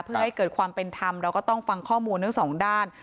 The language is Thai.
เพื่อให้เกิดความเป็นธรรมเราก็ต้องฟังข้อมูลทั้งสองด้าน